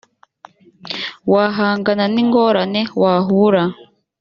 wahangana n ingorane wahura